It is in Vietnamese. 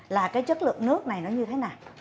là cái chất lượng nước này nó như thế nào